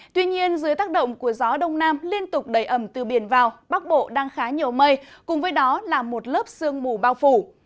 tuy nhiên dưới tác động của gió đông nam liên tục đầy ẩm từ biển vào bắc bộ đang khá nhiều mây cùng với đó là một lớp sương mù bao phủ